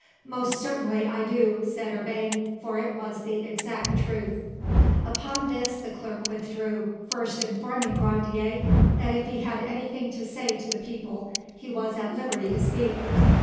"Most certainly I do," said Urbain; "for it was the exact truth." Upon this, the clerk withdrew, first informing Grandier that if he had anything to say to the people he was at liberty to speak.